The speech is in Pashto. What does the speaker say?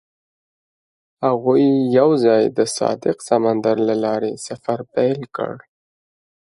هغوی یوځای د صادق سمندر له لارې سفر پیل کړ.